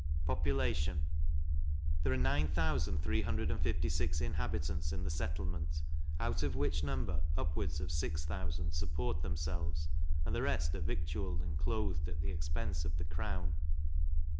Population. There are nine thousand three hundred and fifty six inhabitants in the settlement, out of which number upwards of six thousand support themselves, and the rest are victualled and clothed at the expense of the crown.